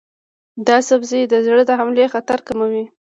دا سبزی د زړه د حملې خطر کموي.